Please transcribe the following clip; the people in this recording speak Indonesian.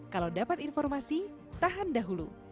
kalau dapat informasi tahan dahulu